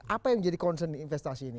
apa yang jadi concern di investasi ini